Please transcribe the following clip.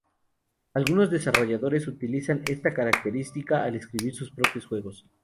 Algunos desarrolladores utilizan esta característica al escribir sus propios juegos.